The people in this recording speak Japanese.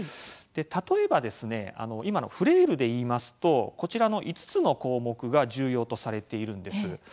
例えば今のフレイルでいいますとこちらの５つの項目が重要とされているんです。